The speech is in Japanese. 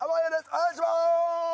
お願いします。